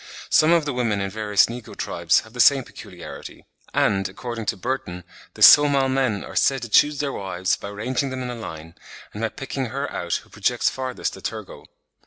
Some of the women in various negro tribes have the same peculiarity; and, according to Burton, the Somal men are said to choose their wives by ranging them in a line, and by picking her out who projects farthest a tergo.